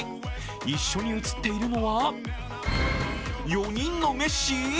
一緒に写っているのは４人のメッシ？